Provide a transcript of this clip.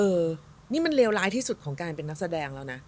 เออนี่มันเลวร้ายที่สุดของการเป็นนักแสดงแล้วนะ